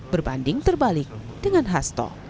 berbanding terbalik dengan hasto